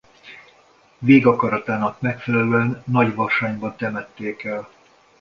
Végakaratának megfelelően Nagyvarsányban temették el.